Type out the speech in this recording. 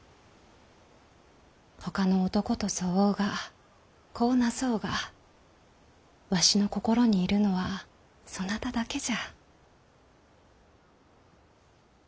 ほかの男と添おうが子をなそうがわしの心にいるのはそなただけじゃ。